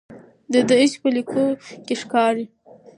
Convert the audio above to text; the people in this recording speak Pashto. د ده عشق په لیکنو کې ښکاري.